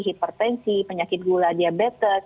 hipertensi penyakit gula diabetes